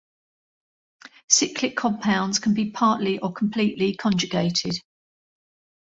Cyclic compounds can be partly or completely conjugated.